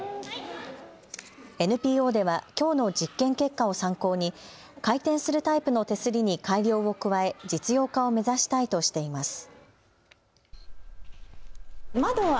ＮＰＯでは、きょうの実験結果を参考に回転するタイプの手すりに改良を加え実用化を目指したいとしています。